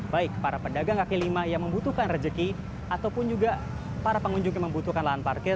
baik para pedagang kaki lima yang membutuhkan rezeki ataupun juga para pengunjung yang membutuhkan lahan parkir